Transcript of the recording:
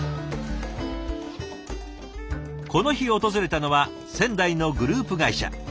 この日訪れたのは仙台のグループ会社。